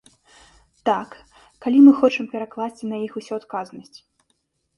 Так, калі мы хочам перакласці на іх усю адказнасць.